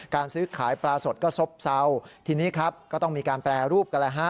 การซื้อขายปลาสดก็ซบเศร้าทีนี้ครับก็ต้องมีการแปรรูปกันแล้วฮะ